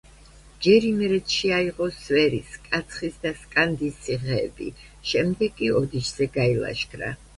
ჯერ იმერეთში აიღო სვერის, კაცხის და სკანდის ციხეები, შემდეგ კი ოდიშზე გაილაშქრა.